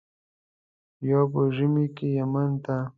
یو په ژمي کې یمن ته.